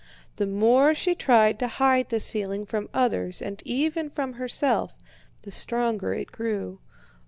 The more she tried to hide this feeling from others and even from herself, the stronger it grew.